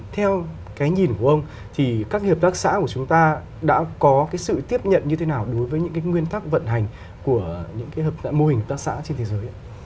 theo cái nhìn của ông thì các hợp tác xã của chúng ta đã có cái sự tiếp nhận như thế nào đối với những cái nguyên tắc vận hành của những cái mô hình hợp tác xã trên thế giới